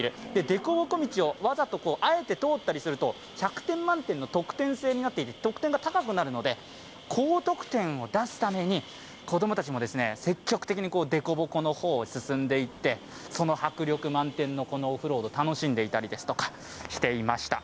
でこぼこ道をわざとあえて通ったりすると百点満点の得点制になっていて、得点が高くなるので高得点を出すために、子供たちも積極的にでこぼこの方を進んでいって迫力満点のオフロードを楽しんでいたりしていました。